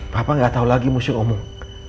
papa gak tau lagi musuh omong